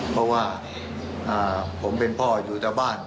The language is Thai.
เพราะว่าผมเป็นพ่ออยู่แต่บ้าน